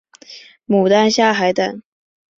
牡丹虾海胆